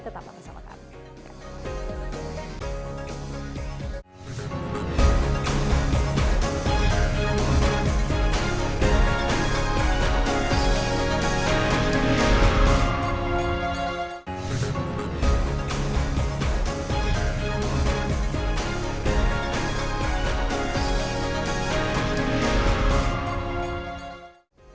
tetaplah bersama kami